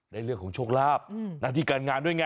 ในเรื่องของโชคลาภหน้าที่การงานด้วยไง